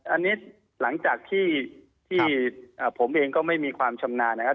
อันนี้หลังจากที่ผมเองก็ไม่มีความชำนาญนะครับ